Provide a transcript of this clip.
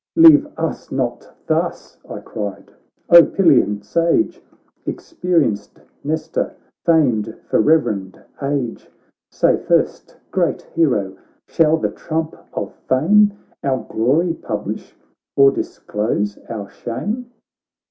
" Leave us not thus," I cried, " O Pylian Sage, Experienced Nestor, famed for reverend age ; Say first, great hero, shall the trump of fame Our glory publish, or disclose our shame?